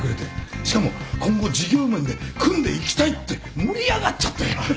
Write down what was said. しかも今後事業面で組んでいきたいって盛り上がっちゃって。